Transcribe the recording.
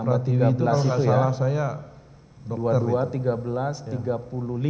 pratiwi itu kalau enggak salah saya dokter